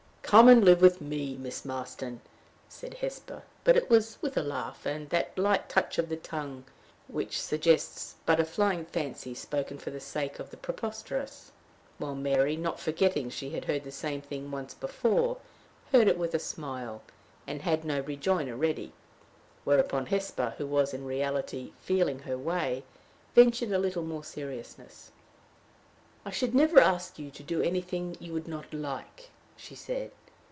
"Come and live with me, Miss Marston," said Hesper; but it was with a laugh, and that light touch of the tongue which suggests but a flying fancy spoken but for the sake of the preposterous; while Mary, not forgetting she had heard the same thing once before, heard it with a smile, and had no rejoinder ready; whereupon Hesper, who was, in reality, feeling her way, ventured a little more seriousness. "I should never ask you to do anything you would not like," she said.